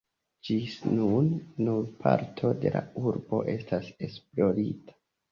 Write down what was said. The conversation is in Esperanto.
Ĝis nun, nur parto de la urbo estas esplorita.